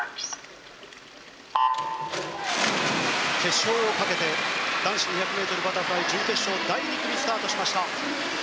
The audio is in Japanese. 決勝をかけて男子２００ｍバタフライ準決勝第２組スタートしました。